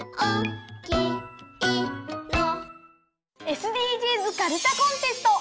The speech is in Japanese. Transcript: ＳＤＧｓかるたコンテスト。